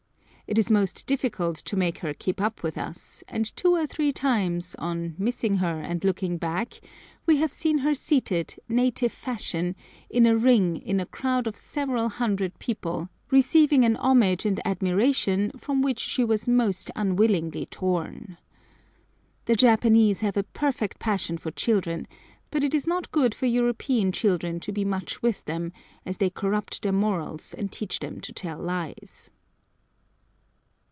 It is most difficult to make her keep with us, and two or three times, on missing her and looking back, we have seen her seated, native fashion, in a ring in a crowd of several hundred people, receiving a homage and admiration from which she was most unwillingly torn. The Japanese have a perfect passion for children, but it is not good for European children to be much with them, as they corrupt their morals, and teach them to tell lies.